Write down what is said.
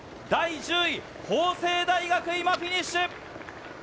第１０位・法政大学、今、フィニッシュ！